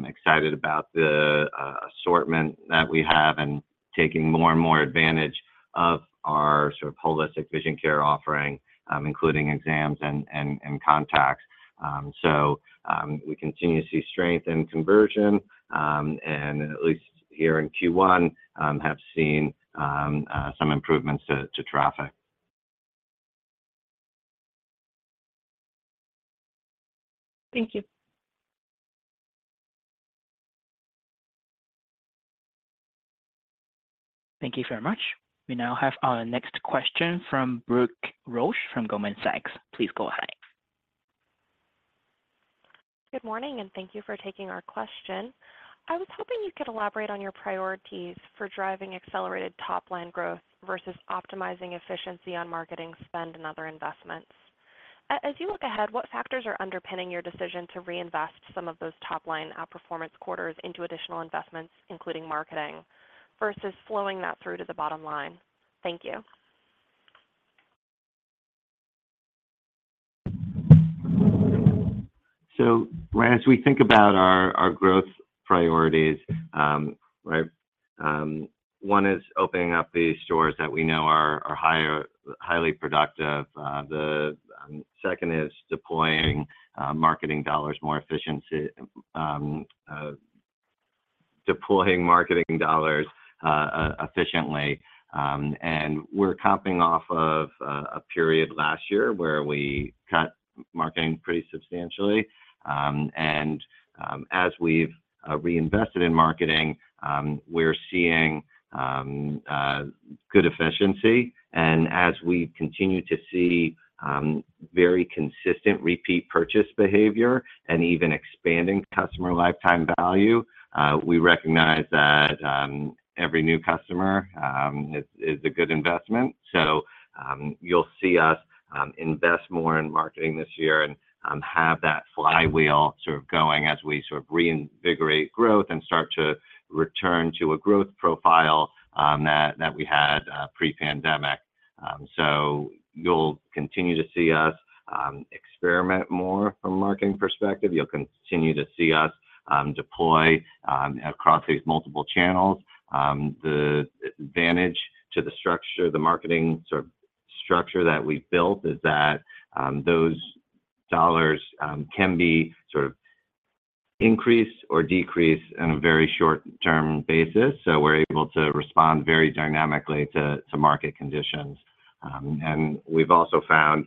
excited about the assortment that we have, and taking more and more advantage of our sort of holistic vision care offering, including exams and contacts. So we continue to see strength in conversion, and at least here in Q1, have seen some improvements to traffic. Thank you. Thank you very much. We now have our next question from Brooke Roach from Goldman Sachs. Please go ahead. Good morning, and thank you for taking our question. I was hoping you could elaborate on your priorities for driving accelerated top-line growth versus optimizing efficiency on marketing spend and other investments. As you look ahead, what factors are underpinning your decision to reinvest some of those top-line outperformance quarters into additional investments, including marketing, versus flowing that through to the bottom line? Thank you. So as we think about our growth priorities, right, one is opening up the stores that we know are highly productive. The second is deploying marketing dollars more efficiently. And we're comping off of a period last year where we cut marketing pretty substantially. And as we've reinvested in marketing, we're seeing good efficiency. And as we continue to see very consistent repeat purchase behavior and even expanding customer lifetime value, we recognize that every new customer is a good investment. So you'll see us invest more in marketing this year and have that flywheel sort of going as we sort of reinvigorate growth and start to return to a growth profile that we had pre-pandemic. So you'll continue to see us experiment more from a marketing perspective. You'll continue to see us deploy across these multiple channels. The advantage to the marketing sort of structure that we've built is that those dollars can be sort of increased or decreased on a very short-term basis. So we're able to respond very dynamically to market conditions. We've also found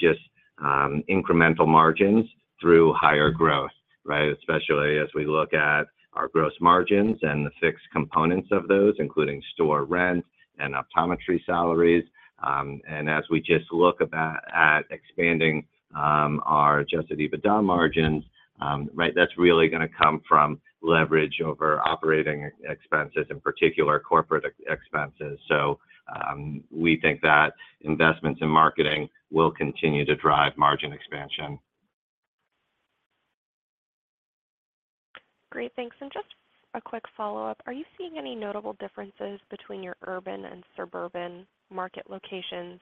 just incremental margins through higher growth, right, especially as we look at our gross margins and the fixed components of those, including store rent and optometry salaries. As we just look at expanding our adjusted EBITDA margins, right, that's really going to come from leverage over operating expenses, in particular corporate expenses. So we think that investments in marketing will continue to drive margin expansion. Great. Thanks. Just a quick follow-up, are you seeing any notable differences between your urban and suburban market locations,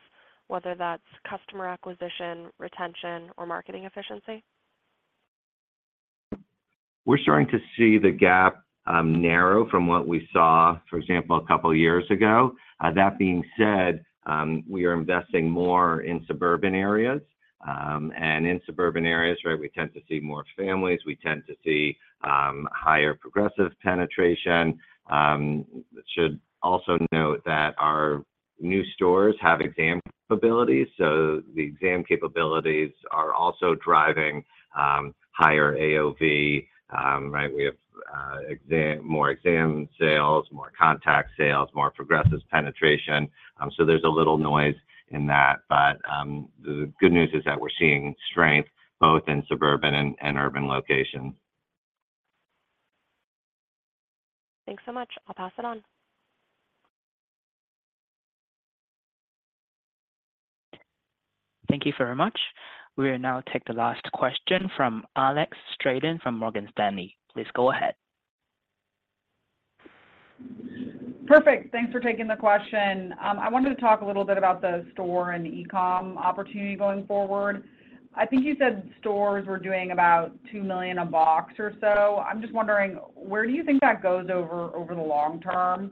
whether that's customer acquisition, retention, or marketing efficiency? We're starting to see the gap narrow from what we saw, for example, a couple of years ago. That being said, we are investing more in suburban areas. And in suburban areas, right, we tend to see more families. We tend to see higher progressive penetration. I should also note that our new stores have exam capabilities. So the exam capabilities are also driving higher AOV, right? We have more exam sales, more contact sales, more progressive penetration. So there's a little noise in that. But the good news is that we're seeing strength both in suburban and urban locations. Thanks so much. I'll pass it on. Thank you very much. We will now take the last question from Alex Straton from Morgan Stanley. Please go ahead. Perfect. Thanks for taking the question. I wanted to talk a little bit about the store and e-com opportunity going forward. I think you said stores were doing about $2 million a box or so. I'm just wondering, where do you think that goes over the long term?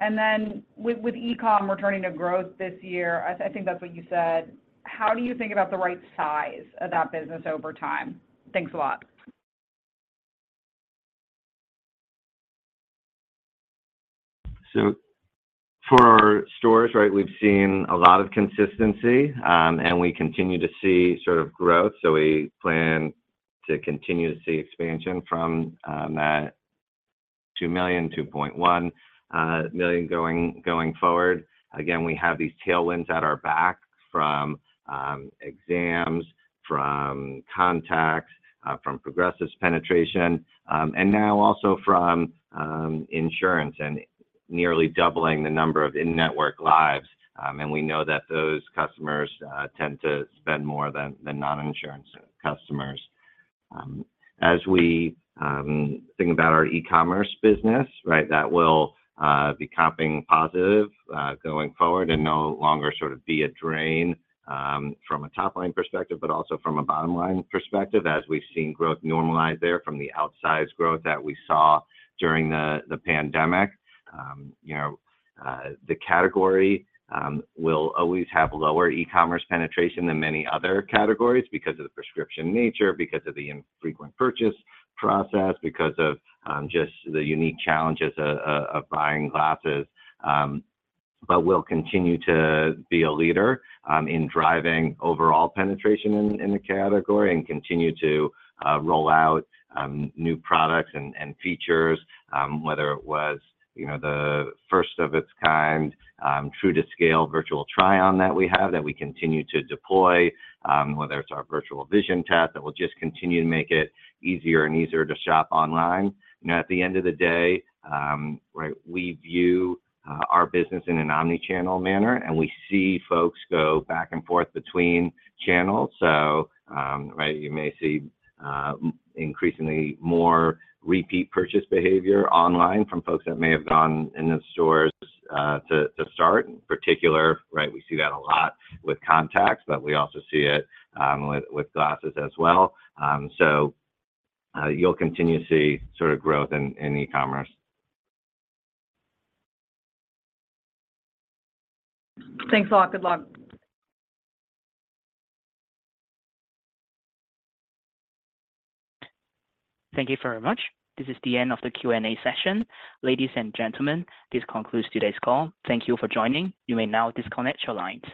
And then with e-com returning to growth this year, I think that's what you said. How do you think about the right size of that business over time? Thanks a lot. So for our stores, right, we've seen a lot of consistency, and we continue to see sort of growth. So we plan to continue to see expansion from that 2 million, 2.1 million going forward. Again, we have these tailwinds at our back from exams, from contacts, from progressive penetration, and now also from insurance and nearly doubling the number of in-network lives. And we know that those customers tend to spend more than non-insurance customers. As we think about our e-commerce business, right, that will be comping positive going forward and no longer sort of be a drain from a top-line perspective but also from a bottom-line perspective as we've seen growth normalize there from the outsize growth that we saw during the pandemic. The category will always have lower e-commerce penetration than many other categories because of the prescription nature, because of the infrequent purchase process, because of just the unique challenges of buying glasses, but will continue to be a leader in driving overall penetration in the category and continue to roll out new products and features, whether it was the first of its kind, true-to-scale virtual try-on that we have that we continue to deploy, whether it's our Virtual Vision Test that will just continue to make it easier and easier to shop online. At the end of the day, right, we view our business in an omnichannel manner, and we see folks go back and forth between channels. So, right, you may see increasingly more repeat purchase behavior online from folks that may have gone into stores to start. In particular, right, we see that a lot with contacts, but we also see it with glasses as well. So you'll continue to see sort of growth in e-commerce. Thanks a lot. Good luck. Thank you very much. This is the end of the Q&A session. Ladies and gentlemen, this concludes today's call. Thank you for joining. You may now disconnect your lines.